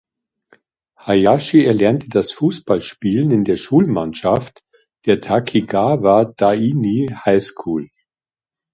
Hayashi erlernte das Fußballspielen in der Schulmannschaft der "Takigawa Daini High School".